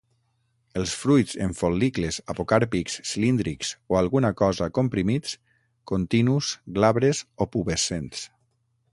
Els fruits en fol·licles apocàrpics, cilíndrics o alguna cosa comprimits, continus, glabres o pubescents.